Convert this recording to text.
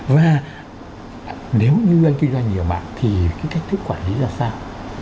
và nếu như anh kinh doanh nhiều mạng thì cái cách thức quản lý là sao